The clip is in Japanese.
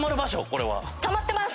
これは。